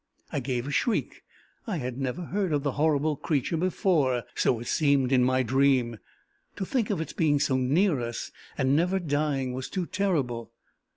I gave a shriek; I had never heard of the horrible creature before so it seemed in my dream. To think of its being so near us, and never dying, was too terrible.